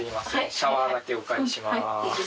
シャワーだけお借りします。